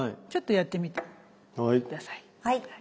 ちょっとやってみて下さい。